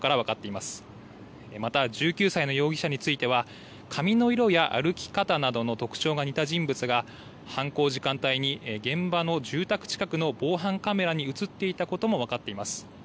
また１９歳の容疑者については髪の色や歩き方などの特徴が似た人物が犯行時間帯に現場の住宅近くの防犯カメラに写っていたことも分かっています。